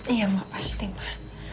iya mak pasti mak